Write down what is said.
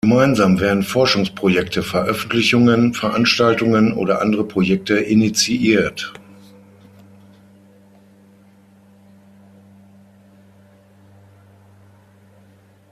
Gemeinsam werden Forschungsprojekte, Veröffentlichungen, Veranstaltungen oder andere Projekte initiiert.